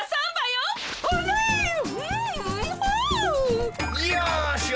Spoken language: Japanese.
よし。